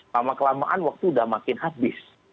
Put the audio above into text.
lama kelamaan waktu udah makin habis